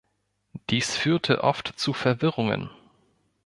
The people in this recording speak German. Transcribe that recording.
Dies führte oft zu Verwirrungen.